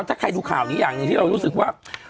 ถ้าใครดูข่าวนี้อย่างหนึ่งที่เรารู้สึกว่า